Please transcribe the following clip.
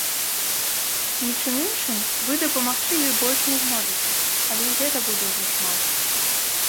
Нічым іншым вы дапамагчы ёй больш не зможаце, але і гэта будзе ўжо шмат.